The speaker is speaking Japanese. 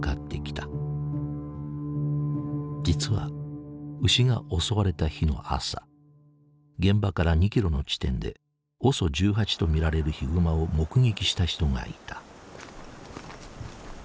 実は牛が襲われた日の朝現場から２キロの地点でＯＳＯ１８と見られるヒグマを目撃した人がいた。